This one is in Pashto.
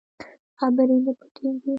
خبرې نه پټېږي.